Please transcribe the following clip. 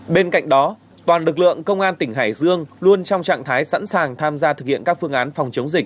bên cạnh đó toàn lực lượng công an tỉnh hải dương luôn trong trạng thái sẵn sàng tham gia thực hiện các phương án phòng chống dịch